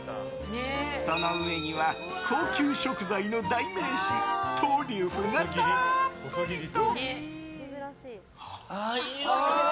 その上には高級食材の代名詞トリュフがたっぷりと。